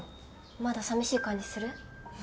まださみしい感じする？